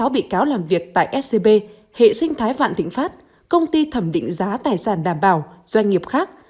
sáu bị cáo làm việc tại scb hệ sinh thái vạn thịnh pháp công ty thẩm định giá tài sản đảm bảo doanh nghiệp khác